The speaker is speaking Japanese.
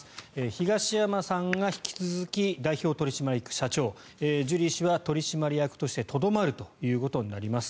東山さんが引き続き代表取締役社長ジュリー氏は取締役としてとどまるということになります。